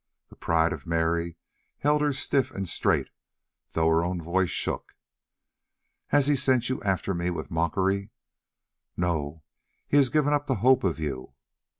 The pride of Mary held her stiff and straight, though her voice shook. "Has he sent you after me with mockery?" "No, he's given up the hope of you."